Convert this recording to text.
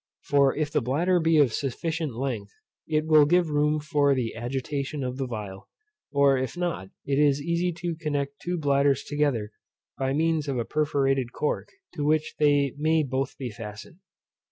For if the bladder be of a sufficient length, it will give room for the agitation of the phial; or if not, it is easy to connect two bladders together by means of a perforated cork, to which they may both be fastened.